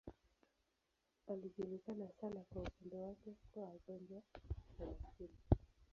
Alijulikana sana kwa upendo wake kwa wagonjwa na maskini.